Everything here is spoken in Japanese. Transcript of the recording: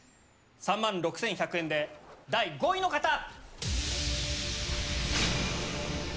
３万６１００円で第５位の方！